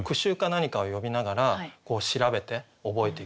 何かを読みながら調べて覚えていくとか